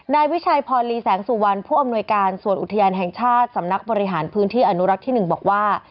นายวิชัยพรลีแสงสุวรรณผู้อำนวยการส่วนอุทยานแห่งชาติสำนักบริหารพื้นที่อนุรักษ์ที่๑บอกว่า